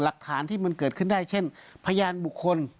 หลักฐานที่มันเกิดขึ้นได้เช่นพยานบุคคล